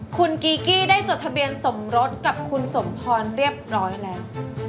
คุณกีกี้ได้จดทะเบียนสมรสกับคุณสมพรเรียบร้อยแล้ว